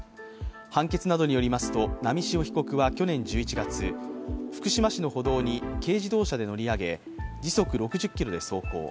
判決などによりますと波汐被告は去年１１月、福島市の歩道に軽自動車で乗り上げ、時速６０キロで走行。